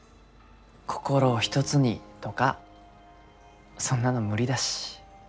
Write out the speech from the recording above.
心を一つにとかそんなの無理だし。